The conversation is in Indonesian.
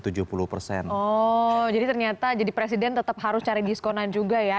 oh jadi ternyata jadi presiden tetap harus cari diskonan juga ya